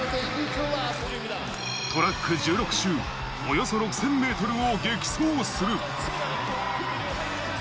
トラック１６周、およそ６０００ｍを激走する。